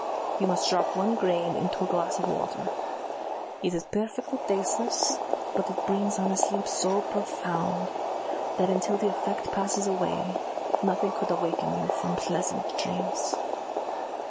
You must drop one grain into a glass of water. It is perfectly tasteless, but it brings on a sleep so profound, that until the effect passes away, nothing could awaken you from pleasant dreams."